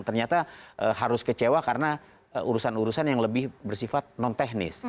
ternyata harus kecewa karena urusan urusan yang lebih bersifat non teknis